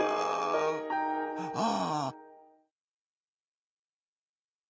ああ。